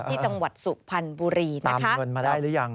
จังหวัดสุพรรณบุรีนะคะเงินมาได้หรือยัง